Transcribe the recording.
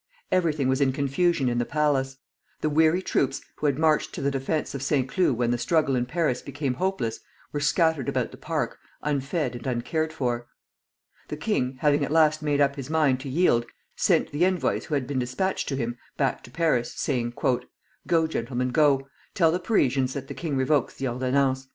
Everything was in confusion in the palace. The weary troops, who had marched to the defence of Saint Cloud when the struggle in Paris became hopeless, were scattered about the park unfed and uncared for. The king, having at last made up his mind to yield, sent the envoys who had been despatched to him, back to Paris, saying: "Go, gentlemen, go; tell the Parisians that the king revokes the ordonnances.